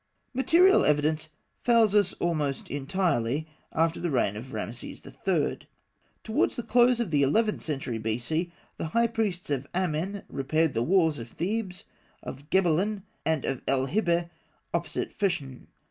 Material evidence fails us almost entirely, after the reign of Rameses III. Towards the close of the eleventh century B.C., the high priests of Amen repaired the walls of Thebes, of Gebeleyn, and of El Hibeh opposite Feshn.